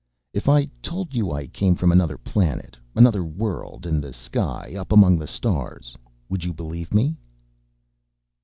"If I told you I came from another planet, another world in the sky up among the stars, would you believe me?"